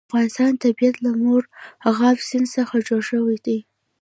د افغانستان طبیعت له مورغاب سیند څخه جوړ شوی دی.